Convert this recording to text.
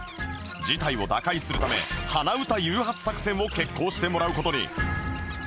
事態を打開するため鼻歌誘発作戦を決行してもらう事に